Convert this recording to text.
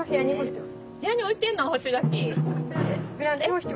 部屋に置いてんの干し柿。